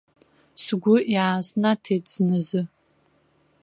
Сгәы иааснаҭеит зназы.